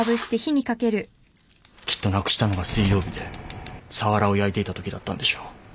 きっとなくしたのが水曜日でサワラを焼いていたときだったんでしょう。